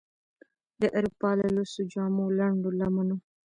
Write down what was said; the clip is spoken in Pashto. د اروپا له لوڅو جامو، لنډو لمنو،